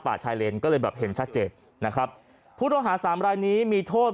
ชายเลนก็เลยแบบเห็นชัดเจนนะครับผู้ต้องหาสามรายนี้มีโทษ